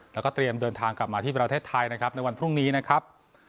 แล้วก็เตรียมเดินทางกลับมาที่ประเทศไทยนะครับในวันพรุ่งนี้นะครับ